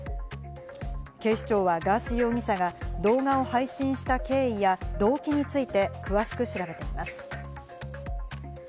警視庁はガーシー容疑者が動画を配信した経緯や動機について詳しく調べています。